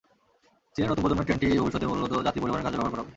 চীনে নতুন প্রজন্মের ট্রেনটি ভবিষ্যতে মূলত যাত্রী পরিবহনের কাজে ব্যবহার করা হবে।